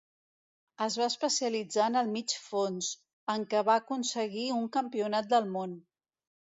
Es va especialitzar en el mig fons, en què va aconseguir un Campionat del Món.